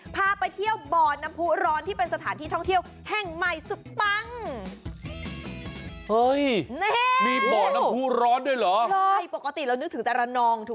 พาไปเที่ยวบ่อน้ำผู้ร้อนที่เป็นสถานที่ท่องเที่ยวแห่งใหม่สุดปัง